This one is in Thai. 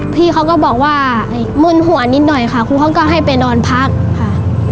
พี่เขาก็บอกว่ามึนหัวนิดหน่อยค่ะครูเขาก็ให้ไปนอนพักค่ะ